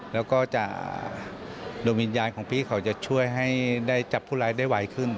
แล้วก็จะดวงวิญญาณของพี่เขาจะช่วยให้ได้จับผู้ร้ายได้ไวขึ้น